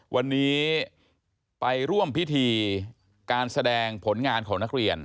วันนี้ไปร่วมพิธีการแสดงผลงานของนักเรียน